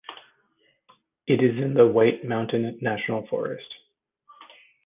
It is in the White Mountain National Forest.